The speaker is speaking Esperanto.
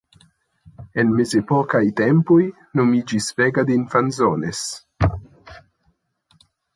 En mezepokaj tempoj nomiĝis Vega de Infanzones.